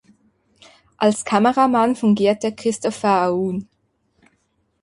Als Kameramann fungierte Christopher Aoun.